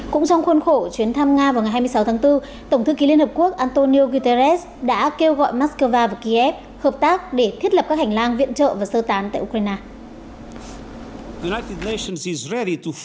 cũng trong khuôn khổ chuyến thăm nga vào ngày hai mươi sáu tháng bốn tổng thư ký liên hợp quốc antonio guterres đã kêu gọi moscow và kiev hợp tác để thiết lập các hành lang viện trợ và sơ tán tại ukraine